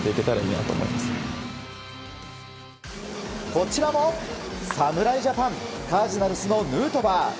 こちらも侍ジャパンカージナルスのヌートバー。